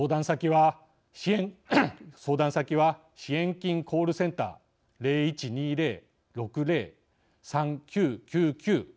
相談先は支援金コールセンター０１２０‐６０‐３９９９。